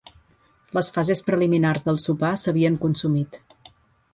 Les fases preliminars del sopar s'havien consumit.